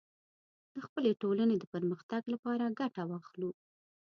د خپلې ټولنې د پرمختګ لپاره ګټه واخلو